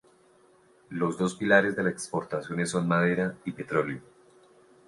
Los dos pilares de las exportaciones son madera y petróleo.